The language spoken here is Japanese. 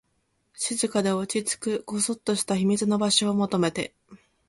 静かで、落ち着く、こそっとした秘密の場所を求めて